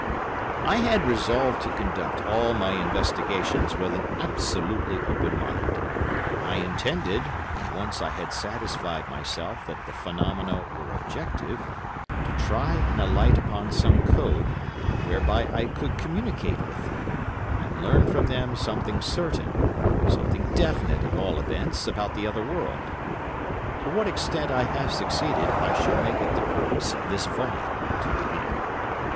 I had resolved to conduct all my investigations with an absolutely open mind, and I intended, when once I had satisfied myself that the phenomena were objective, to try and alight upon some code whereby I could communicate with them, and learn from them something certain—something definite, at all events, about the other world. To what extent I have succeeded I shall make it the purpose of this volume to reveal.